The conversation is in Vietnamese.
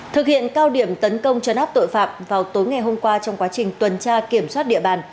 thực hiện cao điểm tấn công chấn áp tội phạm vào tối ngày hôm qua trong quá trình tuần tra kiểm soát địa bàn